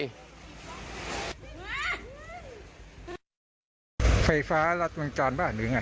เวลาบันจรบ้านหรือไง